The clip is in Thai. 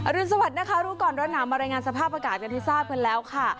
รุนสวัสดินะคะรู้ก่อนร้อนหนาวมารายงานสภาพอากาศกันให้ทราบกันแล้วค่ะ